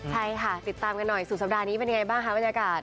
ใช่ค่ะติดตามกันหน่อยสุดสัปดาห์นี้เป็นยังไงบ้างคะบรรยากาศ